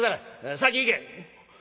先行け」。